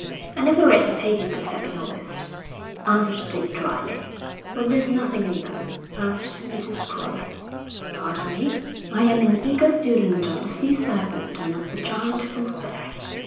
'I never read the papers except in August,' answered Dick drily. 'When there's nothing in them?' asked Mrs. Crowley. 'Pardon me, I am an eager student of the sea serpent and of the giant gooseberry.'